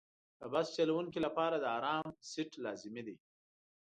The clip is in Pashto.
د بس چلوونکي لپاره د آرام سیټ لازمي دی.